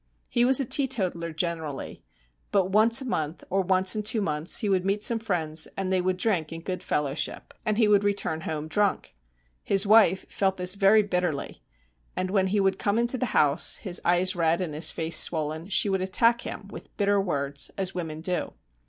He was a teetotaler generally; but once a month, or once in two months, he would meet some friends, and they would drink in good fellowship, and he would return home drunk. His wife felt this very bitterly, and when he would come into the house, his eyes red and his face swollen, she would attack him with bitter words, as women do.